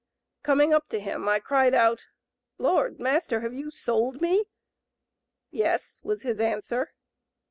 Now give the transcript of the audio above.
Coming up to him, I cried out, Lord, master, have you sold me? 'Yes,' was his answer.